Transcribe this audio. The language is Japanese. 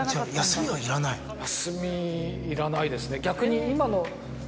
休みいらないですね。